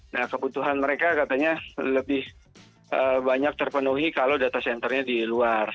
nah kebutuhan mereka katanya lebih banyak terpenuhi kalau data centernya di luar